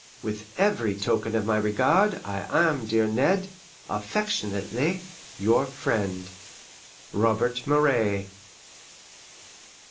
With every token of my regard, I am, dear Ned, affectionately your friend, Robert Moray I.